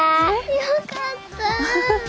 よかった。